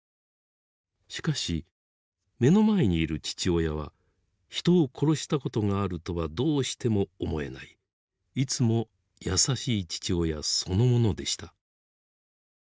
しかし目の前にいる父親は人を殺したことがあるとはどうしても思えないいつも「優しい父親」そのものでした。